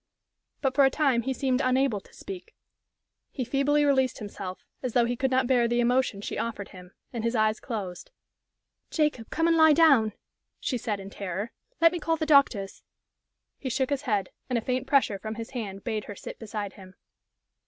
But for a time he seemed unable to speak. He feebly released himself, as though he could not bear the emotion she offered him, and his eyes closed. "Jacob, come and lie down!" she said, in terror. "Let me call the doctors." He shook his head, and a faint pressure from his hand bade her sit beside him.